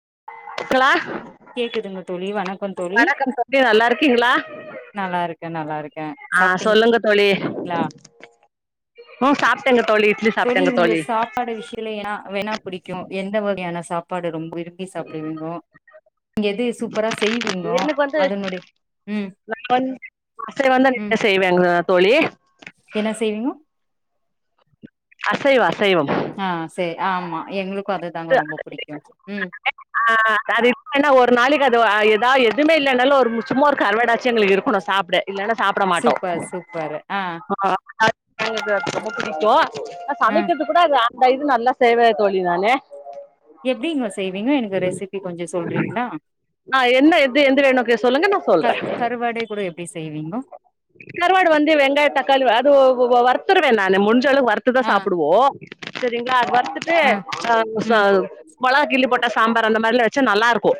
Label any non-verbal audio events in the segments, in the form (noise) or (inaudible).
(unintelligible) கேக்குதுங்க தோழி வணக்கம் தோழி வணக்கம் தோழி நல்லா இருக்கீங்களா நல்லாருக்க நல்லாருக்க ஆ சாப்ட்டீங் சொல்லுங்க தோழி கலா ம் சாப்ட்டேங்க தோழி இட்லி தோழி சாப்ட்டேங்க உங்ளு சாப்பாடு விஷயல வா என்னா புடிக்கு எந்த வ வகையான சாப்பாடு ரொம் விரும்பி சாப்டுவேணு நீங்க எது சூப்பரா செய்வீங்கோ எனக்கு வந்து அதனுடை ம் நா வந்து அசைவந்தா ம் நிறைய செய்வேங்க தோழி என்ன செய்விங்கோ அசைவ அசைவம் ஆ ஆ சேரி ஆமா எங்ளுக்கு ப அதுதாங்க ரொம்போ புடிக்கோ உம் ஆ தாது என்னா ஒரு நாளிக்கு அது ஓ ஆ ஏதா எதுமே இல்லனாலு ஒரு மு சும்மா ஒரு கருவாடாச்சு எங்குளுக்கு இருக்குணு சாப்ட இல்லன்னா சாப்ட மாட்டோ சூப்பர் சூப்பர் ஆ உ அ ஆ தாத் எங்கக்கு ரொம்போ புடிக்கோ ஆ சமைக்கிற்துக் கூட அது தயிரு நல்லா செய்வே தோழி நானு எப்டிங்க செய்வீங்க எனக்கு ரெசிபி கொஞ்சோ சொல்றீங்களா ஆ என்ன எது எந்துவெ நோக்கு சொல்லுங்க நா க சொல்றே கருவாடை கூட எப்டி செய்வீங்கோ கறுவாடு வந்து வெங்காய தக்காளிவ அது ஓ ஓவவ் வருத்துருவே நானு முன் ஞ்சளவு வருத்துதா ஆ சாப்புடுவோ செரிங்ளா அது வ த்துட்டு ஆ சாங்கு ம் சாவ் மொளகா கிள்ளி போ தச் சாம்பார் அந்த மாரிலா வெச்சா நல்லாருக்கோ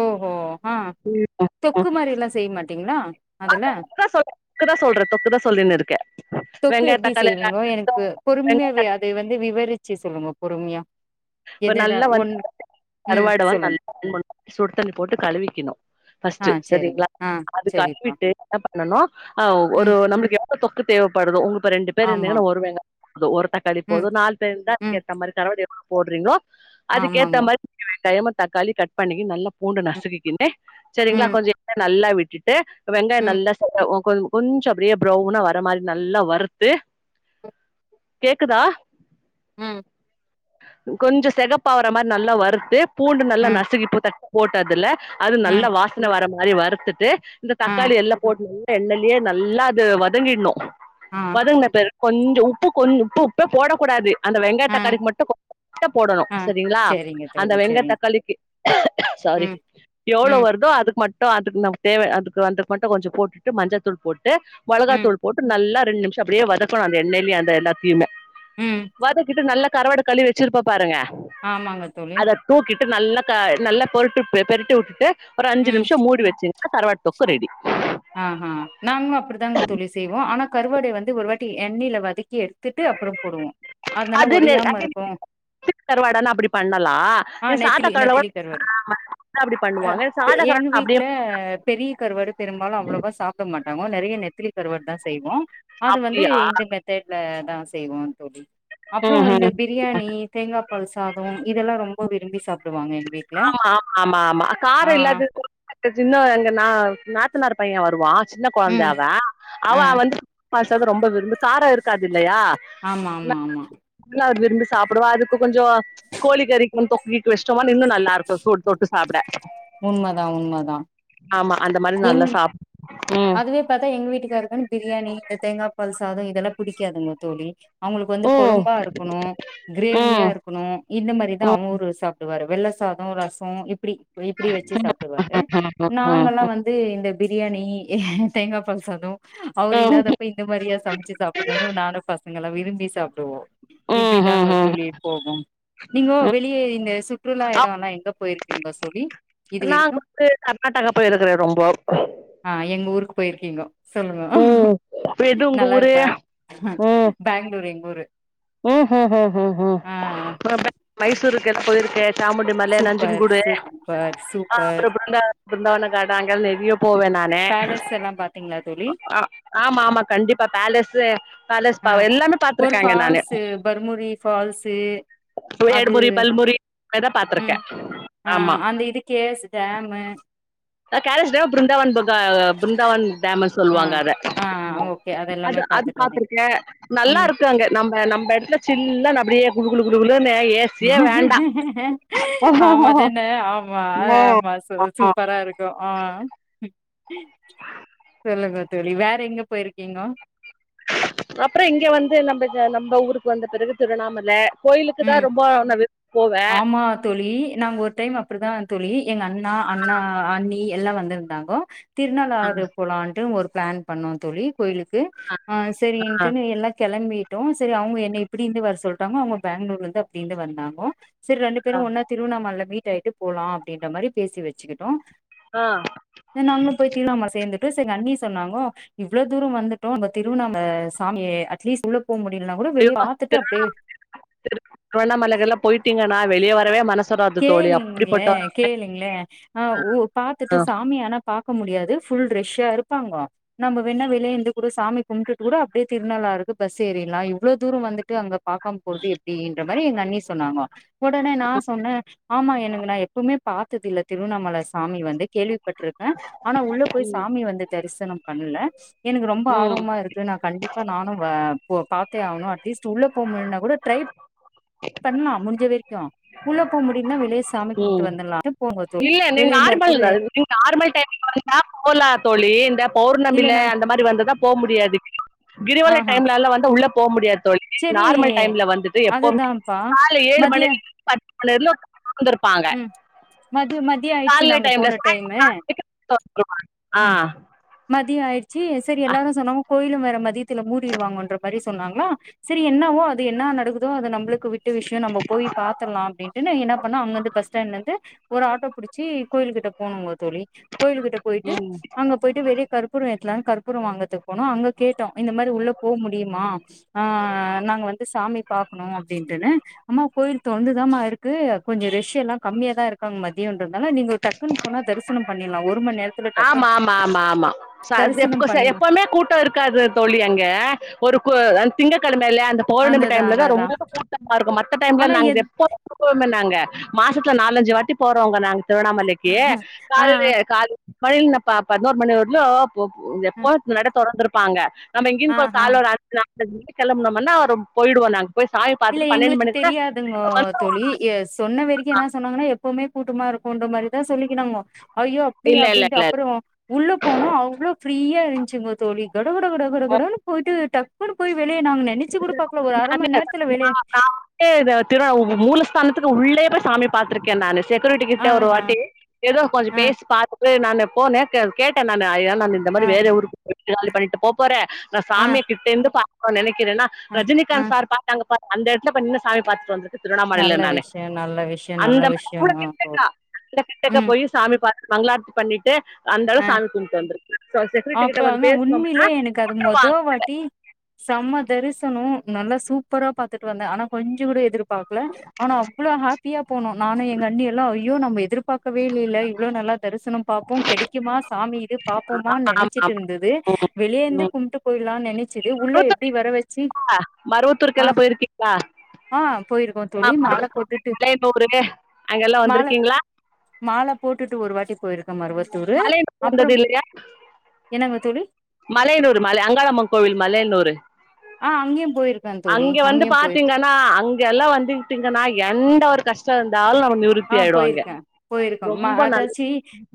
உ ஓ ஆ தொக்கு மாரிலா செய் மாட்டீங்ளா ஆ தொக்தா சொல் க்குதா சொல்றே தொக்குதா சொல்லின்னுரு தொக்கு எப்டி செய்வீங்கோ எனக்கு பொறும்மியா வெங்காய வே அது வந்து விவரிச்சு சொல்லுங்கோ பொறும்மியா இப்ப நல்லா வந்து (inaudible) ம் கருவாட வாங்கி சொல்லுங்க நல்லா க்ளீன் பண்ணோ சுடுத்தண்ணி போட்டு கழுவிக்கிணு ஆ ஃபர்ஸ்ட் சரி செரிங்ளா ஆ அது சரிப்பா கழுவிட்டு அப்ப ன்னனோ ஆ ஒரு ம் நம்ளுக்கே த்தொக்கு தேவப்பறதோ உங்ளு ப்ப ரெண்டு பேர் ஆமா இருந்திங்கனா நா ஒரு வெங்கா அந்த ஒர தக்காளிப்போது ம் நால் பேருக்தா ம் அதுக்கேத்தா மாரி இருக்கு அரவடி ஃபோன் றீங்கோ அதுக்கேத்த ஆமாங்கோ மாரி வெங்காயமு தக்காளி கட் பண்ணிக்கின் நல்லா பூண்ட ம் நசுக்குகின்னே செரிங்ளா ம் கொஞ்ச எப்மே நல்லா விட் விட்டுட்டே வெங்காய ம் நல்லா (unintelligible) வோ கொல்மு கொஞ்ச அப்றே ப்ரௌனா வர மாரி நல்லா வறுத்து கேக்குதா உம் கொஞ்ச செகப்பாவர மாரி நல்லா வறுத்து பூண்டு நல்லா ம் நசுக்கி போத்தா போட்டு அதுல அது நல்ல ம் வாசனை வர மாறி வறுத்துட்டு இந்த ஆ தக்காளி எல்லாம் போட்டுட் எண்ணலயே நல்லா அது வதங்கிடனும் ஆ வதங்கின பிறகு கொஞ்சம் உப்பு கொஞ்ச உப்பு உப்பே போட கூடாது அந்த வெங்காய் ஆ தக்காளிக்கு மட்டும் போடணும் ஆ சரிங்களா சரிங்க அந்த தோழி வெங்காய சரிங்க தக்காளிக்கு சாரி ம் எவ்வளவு ம் வருதோ அது மட்டும் அதுக்கு நமக்கு தேவை அதுக்கு வந்தக்கு மட்டும் கொஞ்சம் போட்டுட்டு மஞ்சத்தூள் போட்டு ம் மொளகாத்தூள் போட்டு நல்லா ரெண்டு நிமிஷம் அப்படியே வதக்கணும் அந்த எண்ணெயிலேயே அந்த எல்லாத்தையுமே ம் வதக்கிட்டு நல்லா கருவாடு கழுவி வச்சிருப்போ பாருங்க ஆமாங்க தோழி டு நல்லா நல்லா பொருட்டு பெருட்டி விட்டுட்டு ஒரு அஞ்சு ம் நிமிஷம் மூடி வச்சு கருவாடு தொக்கு ரெடி ஆஹா நாங்களு அப்டிதாங்க எண்ணில வதக்கி எடு த்துட்டு அப்புறம் போடுவோம் அதனால அது ஒடியாம இருக்கும் கருவாடன்னா அப்டி பண்ணலா ஆ நீ சாதா நெத்திலி கருவாட நெத்திலி கருவாடு அப்டி பண்ணுவாங்க சாதா எங்க கருவாட அப்டியே வீட்ல பெரிய கருவாடு பெரும் அவ்வளவா சாப்ட மாட் தினமும் நிறைய நெத்திலி கருவாடுதான் செய்வோம் அது வந்து அப்டியா இந்த மெத்தட்ல தான் செய்வோம் தோழி அப்புறம் இந்த பிரியாணி தேங்காய பால் சாதம் இதெல்லாம் ரொம்ப விரும்பி சாப் திட்டுவாங்க ஆமா ஆமா ஆமா ஆமா காரம் இல்லது (inaudible) நாத்னார் பையன் வருவான் சின்ன குழந்தை ம் அவன் ஆ அவன் வந்து ரொம்ப விரும்பி காரம் இருக்காது இல்லையா ஆமா ஆமா ஆமா (inaudible) இருந்து சாப்பிடுவா அதுக்கு கொஞ்ச கோழி கறிக்கும் தொக்கிக்கு விஷ்டமா நின்ன்னும்ன் (inaudible) ல்ல இருக்கும் சூடுட்டு சாப்பிட உண்மதா உண்மதா ஆமா அந்த மாரி எங் நல்லா சாப் ம் அதுவே பாத்தா எங்க வீட்டுக்காருக்கன்னு பிரியாணி தேங்கா பால் சாதோ இதெல்லாம் புடிக்காதுங்க தோழி அவுங்களுக்கு வந்து கொழம்பா இருக்கணும் கிரேவியா இருக்கணும் இந்த மாரி தான் அவுரு சாப்பிடுவாரு வெள்ள சாதம் ரசம் இப்டி இப்டி வச்சு சாப்டுவாரு நாங்கல்லாம் வந்து இந்த பிரியாணி ஏ தேங்கா பால்சாதம் அவர் இல்லாதப்ப இந்த மாரியா சமைச்சு சாப்புணுனு நானும் பச நாங்க விரும்பி சாப்டுவோம் இப்டிதாங்க தோழி போகும் நீங்கோ வெளியே இந்த சுற்றுலா எடம் எல்லாம் எங்க போயிருக்கீங்க சொல்லி இது நாங்க வெரிக்கும் வந்து கர்நாடகா போயிருக்குறோ ரொம்போ எங்க ஊருக்கு போயிருக்கீங்கோ சொல்லுங்கோ ம் எது உங்க நல்லா ஊரு இருக்கா ம் பேங்ளூர் எங்க ஊரு ம் ம் ம் ஆ ங்கலா போய்ருக்க சாமுண்டி மல சூப்பர் நஞ்சன்கூடு் சூப்பர் சூப்பர் அப்புற அந்த பிருந்தாவனங்காடாங்கள் (unintelligible) போவேன் நானே பேலஸ் எல்லா பாத்தீங்களா தோழி ஆ ஆமா ஆமா கண்டிப்பா பேலஸு பேலஸ் ஆ பாவ எல்லாமே ஒரு பாத்திருக்காங்க நானு ஃபால்ஸு பர்முரி ஃபால்ஸு அது ஏடுமுறி பல்முறிதான் ம் பாத்திருக்கேன் ஆ ஆமா அந்த இது கே எஸ் டேமு ஆ கேலஸ்டவ் பிருந்தாவன் பக் பிருந்தாவன் டேம ஆ சொல்வாங்க அத ஆ ஓகே அது அத எல்லாமே அது பாத்துட்டு வந்தீங்க பாத்திருக்கேன் நல்லா ம் இருக்கு அங்க நம்ப நம்ப எடத்துல சில்ல நபடியே குளு குளுக் ஆமா தான ஆமா ஆமா சு ஆ சூப்பரா இருக்கு கு ஆ சொல்லுங்க தோழி வேற எங்க போயிருக்கீங்கோ அப்புறம் இங்க வந்து நம்ப நம்ப ஊருக்கு வந்த பிறகு திருவண்ணாமலை கோயிலுக்கு ம் தான் ரொம்ப நா விரும் ஆமா தோழி நாங்க ஒரு டைம் அப்டிதான் தோழி எங்க அண்ணா அண்ணா அண்ணி எல்லா வந்து இருந்தாங்கோ திருநள்ளாறு போலண்டு ஒரு பிளான் பண்ணோ தோழி கோயிலுக்கு ஆ சரி ஆ இன்ட்டுனு எல்லா கெளம்பி டு சரி அவுங்க என்னை இப்டி இருந்து வர சொல்டாங்கோ அவுங்க பேங்களூர்ல இருந்து அப்டி இருந்து வந்தாங்கோ சரி ரெண்டு பேரும் ஒன்னா திருவண்ணாமல மீ டாயிட்டு போலா அப்டின்ற மாரி பேசி வச்சிகிட்டோ ஏ நாங்களும் போய் திருவணமல சேர்ந்து ட்டு எங்க அண்ணி சொன்னாங்கோ இவ்ளோ தூரோ வந்துட்டோ நம்ப திருவண்ணாமல சாமியே அட்லீஸ்ட் உள்ள போ முடியலனா கூட வெளிய பாத்துட்டு அப்டியே திருவண்ணாமலைகெல்லா போய்ட்டீங்க நா வெளிய வரவே மன கேளுங்ளே கேளுங்ளே அ ஊ பாத்துட்டு ஆ சாமியானா பா க்க முடியாது ஃபுல் ரெஷ்ஷா இருப்பாங்கோ நம்ப வேணா வெளியே இருந்து கூட சாமி கும்புட்டு கூட அப்டியே திருநள்ளாறுக்கு பஸ் ஏறிர்லா இவ்ளோ தூரோ வந்துட்டு அங்க பாக்கம போறது எப்டின்ற மாரி எங்க அண்ணி சொன்னாங்கோ ஒடனே நா சொன்னே ஆமா எனக்கு நா எப்பவுமே பாத்ததில்ல திருவண்ணாமல சாமி வந் து கேள்விப்பட்ருக்கே ஆனா உள்ள போயி ம் சாமி வந்து தரிசனம் பண்ணல எனக்கு ரொம்ப ம் ஆர்வமாருக்கு நா கண்டிப் இப்ப நானு வ போ பாத்தே ஆவுனு அட்லீஸ்ட் உள்ள போ முல்னா கூட ட்ரைப் பண்லா முடிஞ்ச வெரைக்கு உள்ள போ முடிலனா வெளிய சாமி கும்புட்டு ம் வந்தர்லானு போம் போது இல்ல நீங்க ஆர்மல்ங்க நீங்க ஆர்மல் டைம்க்கு வந்துட்டா கும்பலா தோழி இந்தப் இல்ல பௌர்ணமில நாங் அந்த மாதிரி வந்துதா போ முடியாது கிரிவல ஆஹா டைம்லலா வந்து உள்ள போ முடியாத தோழி செரி நார்மல் டைம்ல வந்துட்டு எப்பவுமே அதுதான்ப்பா கால்ல ஏழு மதிய மணிலேந் பத் (unintelligible) ந்துருப்பாங்க மதியோ ஆயிடுச்சு நாங்க போன டைம்மு மணிக்கு திறந்துருவாங்க. ஆ ம் மதியோ ஆயிடுச் ச்சி எஸ் சரிய எல்லாரும சொன்னாங்கோ கோயிலு வேற மதியத் த்துல மூடிடுவாங்கன்ற மாரி சொன்னாங்ளா செரி என்னவோ அது என்னா நடக்கு தோ அத நம்பளுக்கு விட்ட விஷ்யோ நம்ப போய் பாத்தர்லா அப்டின்ட்டுன்னு என்ன பண்ணா அங்கருந்து பஸ் ஸ்டாண்ட்ல இருந்து ஒரு ஆட்டோ புடிச்சி கோயிலுகிட்ட போனோங்க தோழி கோயிலுகிட்ட போய்ட்டு ம் அங்க போய்ட்டு வெளிய கற்பூரோ ஏத் தன் கற்பூரோ வாங்கத்துக்கு போனு அங்க கேட்டோ இந்த மாரி உள்ள போ முடியுமா அ நாங்க வந்து சாமி பாக்கணு அப்டின்டுன்னு அம்மா கோயில் தொறந்துதமா இருக்கு கொஞ்சோ ரெஷ் ச்சு எல்லா கம்மியா தா இருக்காங்க மதியோன்றதால நீங்க டக்குன்னு போனா தரிசனம் பண்ணிர்லா ஒரு மண் நேர்த் ஆமா ஆமா ஆமா ஆமா ச இது எப்போ தரிசனம் செ பண்ணிர்லா எப்போமே கூட்ட இருக்காது தோழி அங்க ஒரு க்கு அ திங்கக்கிழமை அந்த பௌர்ணமி அதுதா டைம்ல தா அதுதா ரொம்ப கூட்டமா இருக்கும் மத்த டைம்ல ஆனா நா எத் எப்ப (inaudible) நாங்க மாசத்துல நாலஞ்சு வாட்டி போறோவங்க நாங் திருவண்ணாமலைக்கு ஆ கால் கால் (unintelligible) ப்பா பதினோரு மணி வரலயும் இப்ப ஆ எப்போ நட தொறந்துருக் ப்பாங்க நம்ம ஆ இங்கேக்கொரு ஆ காலல அஞ்சு (unintelligible) அ கிளம்பனும்ன்னா அவர் போயிடுவோம் நாங்க போய் சாமி இல்ல பாத்துட்டு பன்னெண்டு எங்களுக்கு மணிக்குள்ள தெரியாதுங்கோ வந்துருவோ தோழி சொன்ன வரைக்கும் என்ன சொன்னாங்கனா எப்பவுமே கூட்டமா இருக்குன்ற மாரிதான் சொல்லிக்கிணாங்கோ ஐயோ அப்டியா இல்ல இல்ல அப்டின்ட்டு இல்ல அப்புறம் உள்ளே போனோம் அவ்ளோ ஃப்ரீயா இருந் சிங்க தோழிகள் டகடகடகனு போய்ட்டு டக் கோயிலுக்கு போய் (unintelligible) வெளிய நாங்க நெனச்சு கூட பாக்கல ஒரு அரை நானே மணிநேரத் நா திருவண்ணாமலை (unintelligible) மூலஸ்தான த்துக்கு உள்ளயே போய் சாமி பார்த்திருக்கேன் நானு செக்யூரிட்டி கிட்ட ஆ ஒரு ஆ வாட்டி ஏதோ கொஞ்சம் ஆ பேசி பாத் நானு போனேன் கேட்டே நானு ஐயா இந்த மாதிரி ஆ வேற ஊரு பண்ணிட்டு போபோறேன் நா ஆ சாமிய கிட்டருந்து பா ஓ நினக் ஆ ஆ ரஜினிகாந்த் சார் பாத்தாங்க பாத் அந்த எடத்தப்ப நின்னு சாமி பாத்துட்டு வந்து திருண்ணாமலையில நல்ல நானு விஷயோ நல்ல விஷயோ நல்ல அந்த விஷயோ கூட தோழி கிட்டக்க கிட்ட கிட்டக்க ம் போய் சாமி பார்த்த மங்களாத்து பண்ணிட்டு அந்த ஆ அளவுக்கு சாமியை கும்பிட்டு வந்து இருக்கேன் அப்ப வந்து உண்மையிலியே எனக்கு அது மொத வுட்ருவாங்க வாட்டி செம்ம தரிசனம் நல்லா சூப்பரா பாத்துட்டு வந்தேன் ஆனா கொஞ்ச கூட எதிர்பாக் க்ல ஆனா அவ்ளோ ஹேப்பியா போனோம் நானு எங்க அண்ணியெல்லாம் ஐயோ நம்ப எதிர்பாக்க கவேலில இவ்ளோ நல்லா தரிசன பாப்போ கெடிக்குமா சாமி இது பாப்பொம் மான் ஆமா ஆமா நெனச்சிட்ருந்துது ம் வெளியேந்து ம் கும்ட்டு பொயிட்லா நெனச்சது உள்ள எப்டி வர வெச்சி மருவத்தூருக்கெல்லா போய்ருக்கீங்ளா ஆ போயிருக்கோ தோளி மால போட்டுட்டு அங்கெல்லா மால வந்திருக்கீங்களா மால போட்டுட்டு ஒரு வாட்டி போயிருக்க மருவத்தூரு மலையனூர் அப்றம் என்னங்க துளி மலையனூரு மலை அங்காளம்மன் கோவில் மலையனூரு ஆ அங்கேயு போயிருக்கே தோழி அங்கே வந்து அங்கேயு போயிருக்கே பாத்தீங்கனா அங்கெல்லா வந்துகுட்டீங்கனா என்ட ஒரு கஷ்ட இருந்தாலு நமக் ஆஹ் போயிருக்க போயிருக்க ம அத நல்ல சி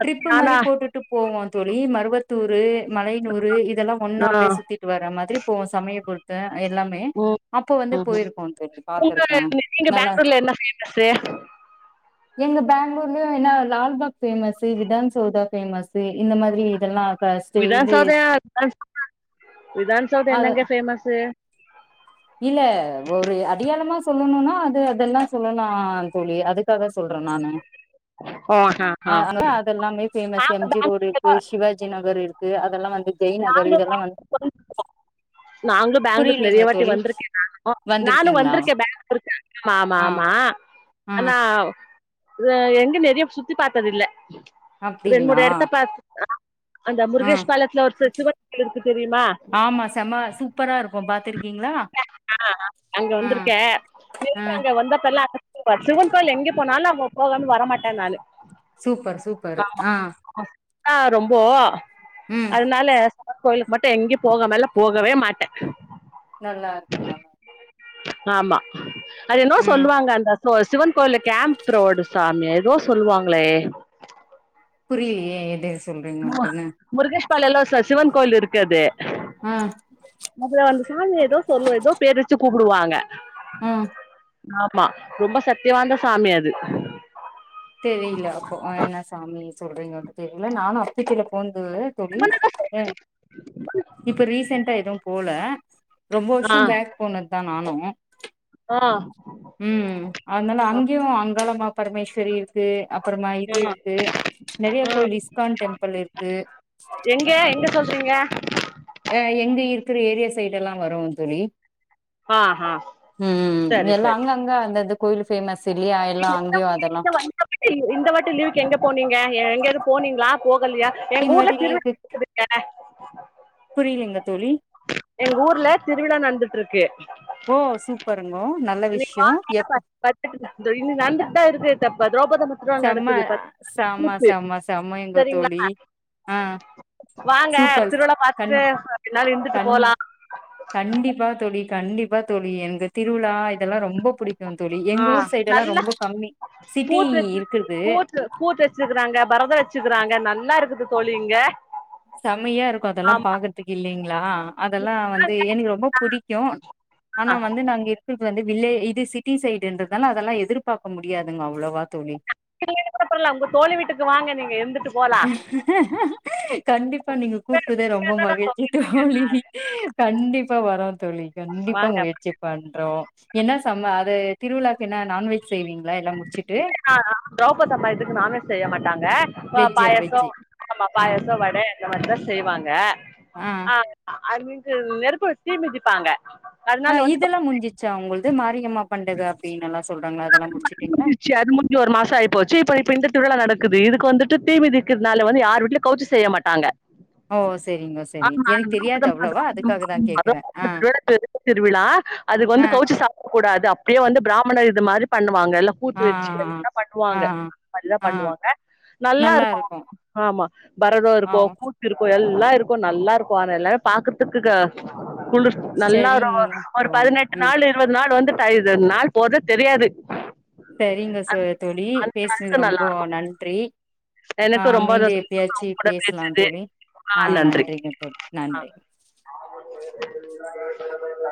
ட்ரிப்பு மாரி ஆனா போட்டுட்டு போவோ தோளி மருவத் தூரு மலைய்நூறு இதல்லா ஒன்னா ஆ அப்யே சுத்திட்டு வர மாரி போவோ சமயபுற் எல்லாமே ம் அப்போ வந்து ம் ம் போயிருக்கோ தோளி உங்க பாத்துருக்க நீங்க நல்லா பெங்களூர்ல என்ன ஃபேமஸு எங்க பேங்ளூர்லியு என்ன லால்பாக் பேமசு விதான் சௌதா ஃபேமசு விதா சௌதா (inaudible) விதான்சௌதா அ என்னங்க ஃபேமசு இல்ல ஒரு அடியாளமா சொல்லணுனா அது அதெல்லா சொல்லலா தோளி அதுக் தாக சொல்ற நானு ஆ ஹா அ ஹா அதல்லாமே ஃபேமஸ் நாங்க எம்ஜி ரோட் இருக்கு பேங்களூர் சிவாஜி நகர் இருக் கு அதெல்லா வந்து ஜெய் நகர் இதெல்லா வந்து (inaudible) நாங்ளும் பேங்ளூர்க் புரியலீங்க நெறியவா வட்டி தோழி வந்ருக்கே நானு நானு வந்திருக்கீங்களா வந்ருக்கே பேங்ள (inaudible) ஆமா ஆ ஆமா ஆ அனாவ் எங்க நெறியவ் சுத்தி பாத்ததுல்ல ரெண்னொட அப்டிங்களா எடத்த பாத் அந்த ஆ முருகேஷ் பாலத்ல ஒர் ஃரெஜ் சிவட் கிலர்கு தெரியுமா ஆமா செம சூப்பரா இருக்கு பாத்துருக்கீங்களா ஆஹ்ஆ அங்க ஆ வந்துருக்க ஆ மின்ட் அங்க வந்தப்பெல்லா (inaudible) சிவன் கோயில் எங்கேப் பொனாலமோ போகாமே வரமாட்ட நாலு சூப்பர் சூப்பரு ஆஹ் ஆஹ் ரொம்போ அத்னால கோயிலுக்கு மட்டு எங்யு போகமெல்ல போகவே மாட்ட நல்லா இருக்க ஆமா அது என்னோ ம் சொல்லுவங்க அந்தா சிவன் கோவில கேம்ப் ரோடு சாமி ஏதோ சொல்லுவாங்களே புரியலையே எது சொல்றீங்க வந்ட்டுனு கோயில் இல்ல ச சிவன் கோயில் இருக்கு அது ஆ அதுல அது அந்த சாமி ஏதோ சொல்லு ஏதோ பேரு வச்சு கூப்புடுவாங்க ம் ஆமா ரொம்ப சக்தி வாய்ந்த சாமி அது தெரில அப்போ அ என்ன சாமி சொல்றீங்கனு தெரில நானு அப்பிதில போன து தோழி அ இப்ப ரிசெண்ட்டா எதும் போல ரொம்ப ஆ வருஷம் பேக் போனதுதா நானு அ ஆ ம் அதனால ஆ அங்கேயு அங்காளம்மா பமேஸ்வரி இருக்கு, அப்புறமா ஆ இது இருக்கு, நெறைய ஆ கோயில் இஸ்கான் டெம்பிள் இருக்கு, எங்க எங்க சொல்றீங்க அ எங்க இருக்குற ஏரியா சைடு எல்லா வரு தோழி, ஆ ஆ ம் சரி எல்லா சரி அங்கங்க அந்த அது கோவில் ஃபேமஸ் இல்லையா எல்லா அங்கேயு அதெல்லா (unintelligible) இந்த வாட்டி லீவுக்கு எங்க போனீங்க எங்கயாது போனீங்களா போ இல்லையா எங்க இந்த ஊர்ல வாட்டி திருவிழா போதுங்க புரியலிங்க தோழி விழா நடந்துட்டு இருக்கு ஓ சூப்பர் இன்னைக்கு (unintelligible) நடந்துட்டு தா இருக்கு டிசம்பர் திரௌபதம் திருவிழா செம்ம நடக்குது செம்ம கூத்து செம்ம செம்மங்க சரிங்ளா தோழி ஆ வாங்க சூப்பர் திருவிழா கண் பாத்துட்டு ரெண்டுனால் இருந்துட்டு போலா டிப்பா தோழி கண்டிப்பா தோழி எங்க திருவிழா இதெல்லா ரொம்ப புடிக்கு தோழி ஆ எங்க ஊர் சைடு எல்லா நல்லா ரொம்ப கம்மி சிட்டி கூத்து இருக்குது கூத்து வச்சுக்கறாங்க பரத வச்சுக்கறாங்க நல்ல என்னா இருக்குது தோழி இங்க செமையா இருக்கும் அதெல்லாம் ஆமா பாக்குறதுக்கு இல்லைங்களா அதெல்லாம் வந்து எனக்கு ரொம்ப புடிக்கும் ஆனா ஆ வந்து நாங்க இருக்குறது வந்து வில்லே இது சிட்டி சைடுன்றதுனால அதெல்லாம் எதிர்பாக்க முடியாதுங்க அவ்ளவா தோழி (unintelligible) உங்க தோழி வீட்டுக்கு வாங்க நீங்க இருந்திட் கண்டிப்பா நீங்க கூப்ட்டதே ரொம்ப அதா மகிழ்ச்சி சொல்லிட்டு இருக்கே தோழி கண்டிப்பா வரோம் தோழி கண்டிப்பா வாங்க முயற்சி பண்றோம் என்ன செம்ம அது திருவிழா என்ன நான்வெ இல்ல திரௌபதம்மா இதுக்கு நான்வெஜ் செய்ய மாட்டாங்க ஆ வெஜ்ஜா வெஜ்ஜு பாயசம் ஆமா ஆ பாயசம் வட இந்தமாரிதான் செய்வாங்க ஆஹ் அருள்மிகு நெருப்பு தீ மிதிப்பாங்க அதனால ஆஹ் வந்து இதெல்லாம் முடுஞ்சிச்சா உங்களுக் கு மாரியம்மா பண்டது அப்டினல்லா அது முடிஞ்ச்சு அதுமுடிஞ்சு ஒரு மாசம் ஆயிப்போச்சு இப்ப இப்ப இந்த திருவிழா நடக்குது இது க்கு வந்துட்டு தீ மிதிக்கிறதுனால வந்து யார் வீட்ல கவுச்சி செய்ய மாட்டாங்க (inaudible) ஓ செரிங்க செரி எனக்கு தெரியாது அவ்ளவா அதுக்காக தா கேக்குறே ஆ திருவிழா அதுக்கு வந்து ஆ கவுச்சி சாப்டக் கூடாது அப்டியே வந்து பிராமணர் இது மாரி வாங்க எல்லாம் ஆ கூத்து வச்சு எல்லா ஆ ஆ பண்ணுவாங்க ஆ அது மாரிதா ஆ பண்ணுவாங்க நல்லா நல்லாருக்கும் இருக்கு ஆமா பரதோ ஆ இருக்கு கூத்து இருக்கு எல் நல்லா இருக்கும் நல்லாருக்கும் ஆனா எல்லாமே பாக்குறதுதுக்கு குளுச் நல்லா இருக்கும் செரிங்க ஒரு தோழி பதினெட்டு ம் நாள் இருவது நாள் வந்து டை இருவது நாள் போரதே தெரியாது சரிங்க ச தோழி அந்த பேசினது அளவுக்கு நல்லா ரொம்போ இருக்கு நன்றி எனக்கு ஆஹ் ரொம்ப மீண்டும் சந்தோஷமா உங்க எப்பயாச்சும் கூட பேசலாம் பேசுனது தோழி ஆ ஆஹ் நன்றி நன்றிங்க தோழி நன்றி (unintelligible)